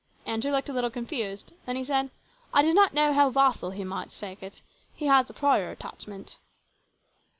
Andrew looked a little confused ; then he said, " I did not know how Vassall here might take it. He is a prior attachment."